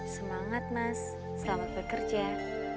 semangat mas selamat bekerja